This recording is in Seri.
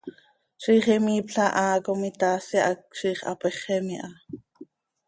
Ziix imiipla haa com itaasi hac ziix hapeexem iha.